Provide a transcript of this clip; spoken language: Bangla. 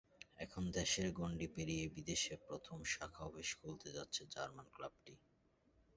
এখন দেশের গণ্ডি পেরিয়ে বিদেশে প্রথম শাখা অফিস খুলতে যাচ্ছে জার্মান ক্লাবটি।